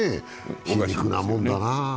皮肉なもんだな。